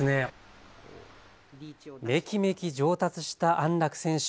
めきめき上達した安楽選手。